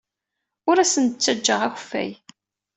Ur asent-d-ttajjaɣ akeffay.